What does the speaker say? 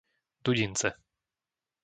Dudince